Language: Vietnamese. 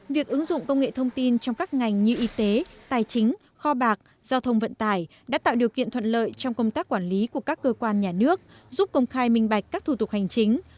việc ứng dụng công nghệ thông tin trong các ngành như y tế tài chính kho bạc giao thông vận tải đã tạo điều kiện thuận lợi trong công tác quản lý của các cơ quan nhà nước giúp công khai minh bạch các thủ tục hành chính